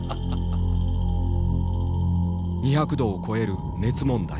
２００度を超える熱問題。